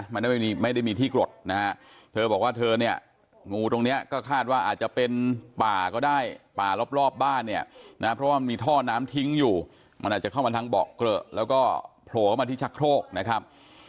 มันไม่ได้มีที่กรดนะฮะเธอบอกว่าเธอเนี่ยงูตรงเนี้ยก็คาดว่าอาจจะเป็นป่าก็ได้ป่ารอบบ้านเนี่ยนะเพราะว่ามีท่อน้ำทิ้งอยู่มันอาจจะเข้ามาทางเบาะเกลอะแล้วก็โผล่เข้ามาที่ชักโครกนะครับ